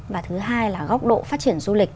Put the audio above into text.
và thứ hai là góc độ phát triển du lịch